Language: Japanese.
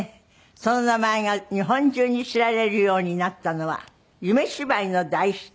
その名前が日本中に知られるようになったのは『夢芝居』の大ヒット。